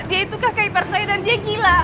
dia itu kakak ipar saya dan dia gila